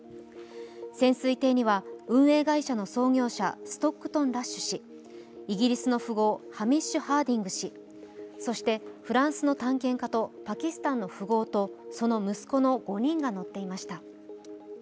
潜水艇には、運営会社の創業者ストックトン・ラッシュ氏、イギリスの富豪、ハミッシュ・ハーディング氏、そしてフランスの探検家とパキスタンの富豪とその息子の５人が乗っていました。